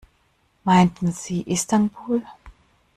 Meinten Sie Istanbul?